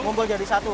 mumpul jadi satu